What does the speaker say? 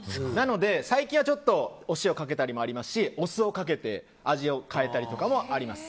なので、最近はお塩をかけたりもありますしお酢をかけて味を変えたりとかもあります。